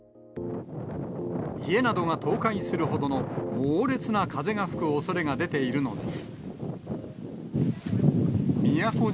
家などが倒壊するほどの猛烈な風が吹くおそれが出ているのです。